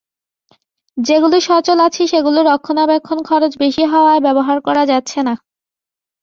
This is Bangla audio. যেগুলো সচল আছে, সেগুলোর রক্ষণাবেক্ষণ খরচ বেশি হওয়ায় ব্যবহার করা যাচ্ছে না।